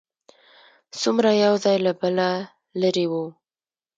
څومره یو ځای له بله لرې و.